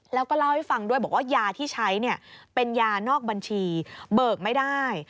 แล้วก็เล่าให้ฟังด้วยบอกว่ายาที่ใช้เป็นยานอกบัญชีเบิกไม่ได้